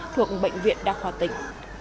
thuộc bệnh viện đa khoa tỉnh